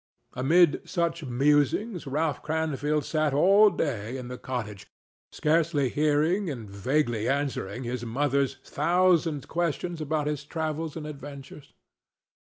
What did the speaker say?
Amid such musings Ralph Cranfield sat all day in the cottage, scarcely hearing and vaguely answering his mother's thousand questions about his travels and adventures.